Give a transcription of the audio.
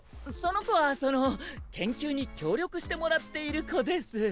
その子はその研究に協力してもらっている子です。